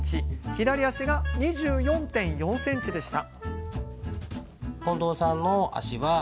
左足が２４．４ｃｍでした。